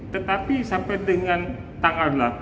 tetapi sampai dengan tanggal delapan